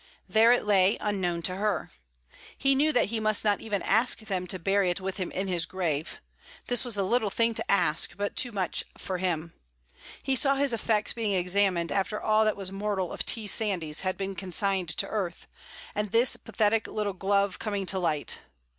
There it lay, unknown to her. He knew that he must not even ask them to bury it with him in his grave. This was a little thing to ask, but too much for him. He saw his effects being examined after all that was mortal of T. Sandys had been consigned to earth, and this pathetic little glove coming to light.